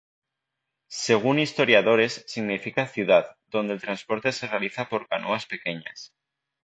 Según historiadores, significa "ciudad", donde el transporte se realiza por canoas pequeñas.